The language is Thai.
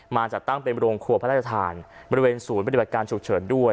จัดตั้งเป็นโรงครัวพระราชทานบริเวณศูนย์ปฏิบัติการฉุกเฉินด้วย